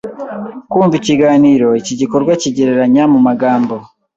kumva ikiganiro Iki gikorwa kigereranya mu magambo